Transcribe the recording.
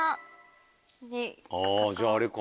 じゃああれか。